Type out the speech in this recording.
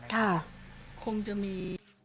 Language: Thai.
ค่ะคงจะมี